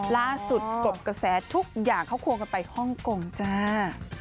ล่าสุดกบกระแสทุกอย่างเขาควงกันไปฮ่องกงจ้า